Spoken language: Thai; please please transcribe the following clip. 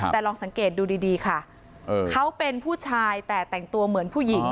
แต่ลองสังเกตดูดีค่ะเขาเป็นผู้ชายแต่แต่งตัวเหมือนผู้หญิง